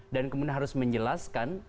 dan kemudian harus menjelaskan